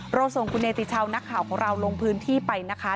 เราส่งคุณเนติชาวนักข่าวของเราลงพื้นที่ไปนะคะ